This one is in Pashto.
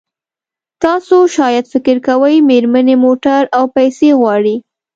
تاسو شاید فکر کوئ مېرمنې موټر او پیسې غواړي.